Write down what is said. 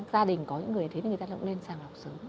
gia đình có những người thế thì người ta cũng nên sàng lập sớm